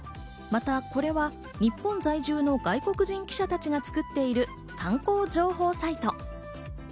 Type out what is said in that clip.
また、これは日本在住の外国人記者たちが作っている観光情報サイト。